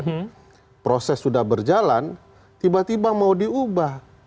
jadi proses sudah berjalan tiba tiba mau diubah